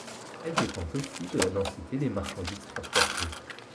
Elle dépend aussi de la densité des marchandises transportées.